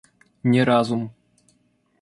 Не разум.